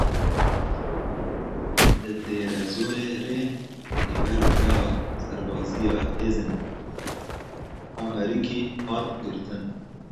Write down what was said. Li Dêre Zorê rê li ber gera serbazî ya hêzên Amerîkî hat girtin.